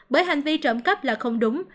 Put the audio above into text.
bởi hành vi trộm cấp là không đúng